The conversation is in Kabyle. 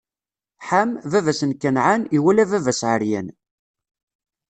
Ḥam, baba-s n Kanɛan, iwala baba-s ɛeryan.